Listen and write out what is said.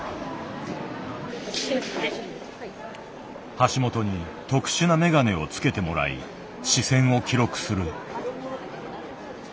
橋本に特殊なメガネをつけてもらい視線を記録する。